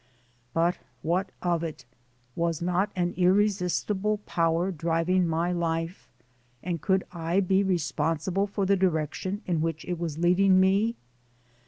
But what of it? Was not an irresistible power driving my life, and could I be responsible for the direction in which it was leading me?